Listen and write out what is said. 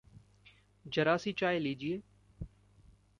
जरा सी चाय लीजिए।